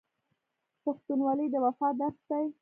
پښتونولي د وفا درس دی.